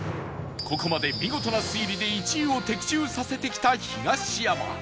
ここまで見事な推理で１位を的中させてきた東山